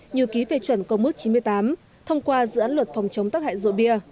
như ký phê chuẩn công mức chín mươi tám thông qua dự án luật phòng chống tắc hại rượu bia